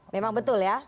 memang betul ya